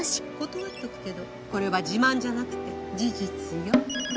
断っとくけどこれは自慢じゃなくて事実よ。